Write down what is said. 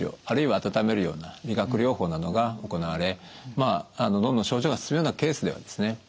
あるいは温めるような理学療法などが行われまあどんどん症状が進むようなケースではですね